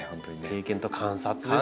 経験と観察ですね。